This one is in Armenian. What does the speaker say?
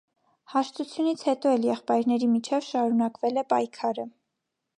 Հաշտությունից հետո էլ եղբայրների միջև շարունակվել է պայքարը։